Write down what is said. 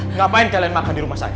ngapain kalian makan di rumah saya